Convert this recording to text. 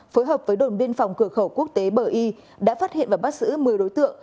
phối hợp với đồn biên phòng cửa khẩu quốc tế bờ y đã phát hiện và bắt giữ một mươi đối tượng